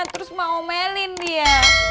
terus mak omelin dia